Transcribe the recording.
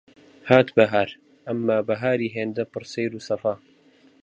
هات بەهار، ئەمما بەهاری هێندە پڕ سەیر و سەفا